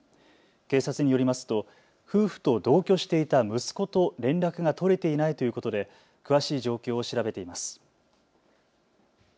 警察によりますと夫婦と同居していた息子と連絡が取れていないということで詳しい状況を調べています。